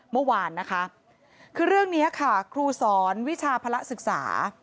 เมื่อวานนะคะคือเรื่องนี้ค่ะครูสอนวิชาภาระศึกษา